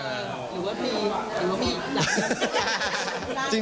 หรือว่าพี่หรือว่าพี่